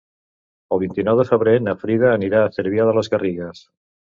El vint-i-nou de febrer na Frida anirà a Cervià de les Garrigues.